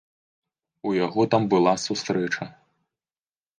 У яго там была сустрэча.